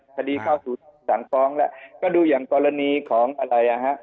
คดีเข้าสู่สั่งฟ้องแล้วก็ดูอย่างกรณีของอะไรอ่ะฮะ